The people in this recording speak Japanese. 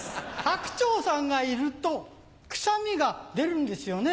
白鳥さんがいるとくしゃみが出るんですよね。